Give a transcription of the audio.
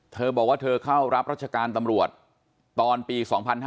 เธอบอกว่าเธอเข้ารับรัชการตำรวจตอนปี๒๕๕๙